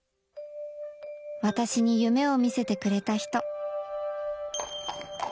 私に夢を見せてくれた人